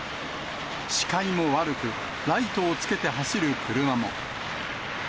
視界も悪く、ライトをつけて走る車も。